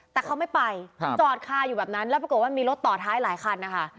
แต่เขาไม่ไปจอดคาอยู่แบบนั้นแล้วปรากฏว่ามีรถต่อท้ายหลายคันนะคะ